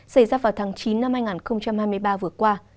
xảy ra vào tháng chín năm hai nghìn hai mươi ba vừa qua